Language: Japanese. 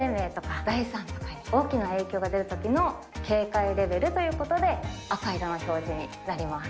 赤は台風とかの、生命とか財産とかに大きな影響が出るときの警戒レベルということで、赤色の表示になります。